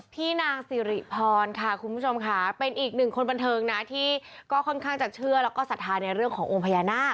พี่นางสิริพรค่ะคุณผู้ชมค่ะเป็นอีกหนึ่งคนบันเทิงนะที่ก็ค่อนข้างจะเชื่อแล้วก็ศรัทธาในเรื่องขององค์พญานาค